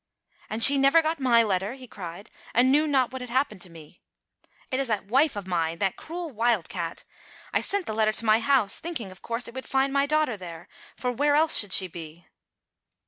"And she never got my letter?" he cried, "and knew not what had happened to me. It is that wife of mine, that cruel wild cat! I sent the letter to my house, thinking, of course, it would find my daughter there. For where else should she be?"